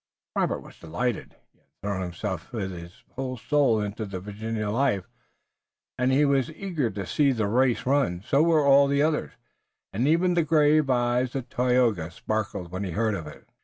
Robert was delighted. He had thrown himself with his whole soul into the Virginia life, and he was eager to see the race run. So were all the others, and even the grave eyes of Tayoga sparkled when he heard of it.